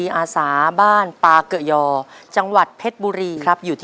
ในแคมเปญพิเศษเกมต่อชีวิตโรงเรียนของหนู